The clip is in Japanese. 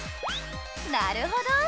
なるほど。